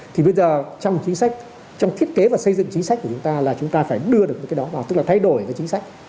thì bây giờ trong thiết kế và xây dựng chính sách của chúng ta là chúng ta phải đưa được cái đó vào tức là thay đổi cái chính sách